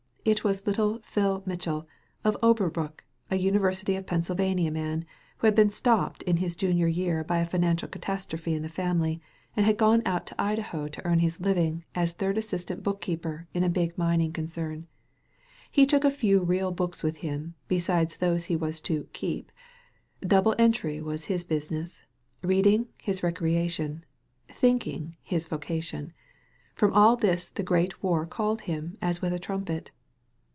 It was little Phil Mitchell, of Overbrook, a University of Pennsyl vania man, who had been stopped in his junior year by a financial catastrophe in the family, and had 142 THE HEARING EAR gone out to Idaho to earn his living as third assistant bookkeeper in a big mining concern. He took a few real books with him, besides those that he was to "keep." Double entry was his business; read ing, his recreation; thinking, his vocation. From all this the great war called him as with a trumpet.